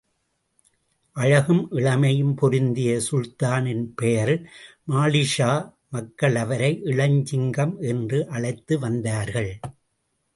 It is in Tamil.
அழகும், இளமையும் பொருந்திய சுல்தானின் பெயர் மாலிக்ஷா, மக்கள் அவரை இளஞ்சிங்கம் என்று அழைத்து வந்தார்கள்!